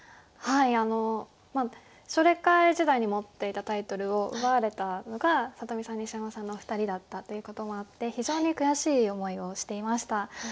はいあの奨励会時代に持っていたタイトルを奪われたのが里見さん西山さんのお二人だったということもあって非常に悔しい思いをしていました。